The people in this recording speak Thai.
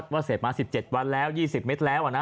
เกือบประมาณ๒๐เมตร